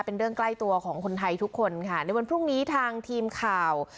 เป็นเรื่องใกล้ตัวของคนไทยทุกคนค่ะในวันพรุ่งนี้ทางทีมข่าว